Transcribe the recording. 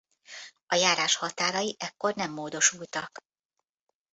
A járás határai ekkor nem módosultak.